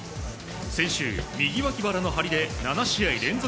先週、右脇腹の張りで７試合連続